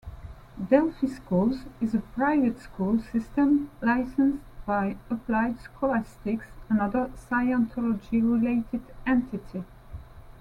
Delphi Schools is a private school system licensed by Applied Scholastics, another Scientology-related entity.